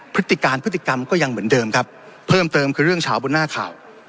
พฤติการพฤติกรรมก็ยังเหมือนเดิมครับเพิ่มเติมคือเรื่องเฉาบนหน้าข่าว